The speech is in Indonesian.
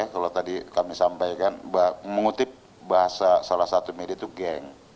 kalau tadi kami sampaikan mengutip bahasa salah satu media itu geng